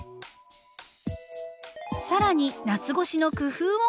更に夏越しの工夫を発見。